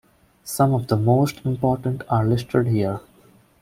Some of the most important are listed here.